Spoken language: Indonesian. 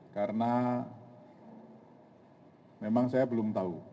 karena memang saya belum tahu